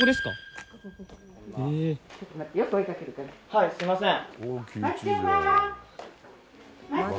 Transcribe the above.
はいすみません。